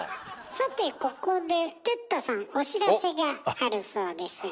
さてここで哲太さんお知らせがあるそうですが。